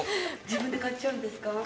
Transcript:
自分で買っちゃうんですか？